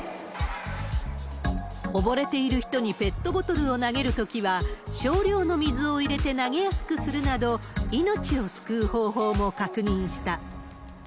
溺れている人にペットボトルを投げるときは、少量の水を入れて投げやすくするなど、命を救う方法も確認した。